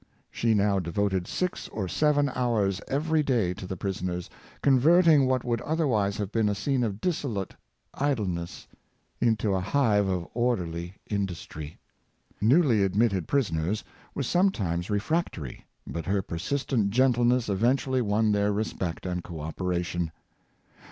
She now devoted six or seven hours every day to the prisoners, converting what would otherwise have been a scene of dissolute idleness into a hive of orderly in dustry. Newly admitted prisoners were sometimes re fractory, but her persistent gentleness eventually won their respect and co operation.